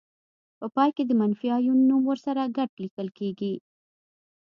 په پای کې د منفي آیون نوم ورسره ګډ لیکل کیږي.